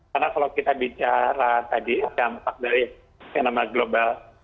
karena kalau kita bicara tadi ada dampak dari sinema global